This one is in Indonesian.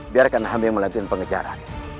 biarkan hamba yang melakukan pengejaran